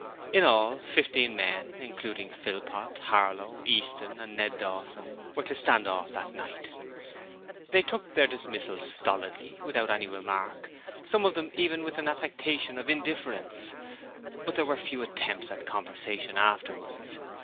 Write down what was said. In all, fifteen men including Philpot, Harlow, Easton and Ned Dawson, were to 'stand off' that night. They took their dismissal stolidly, without any remark, some of them even with an affectation of indifference, but there were few attempts at conversation afterwards.